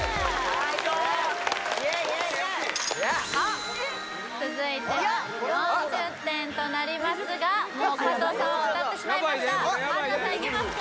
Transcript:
最高イエイイエイイエイ続いては４０点となりますがもう加藤さんは当たってしまいました春菜さんいけますか？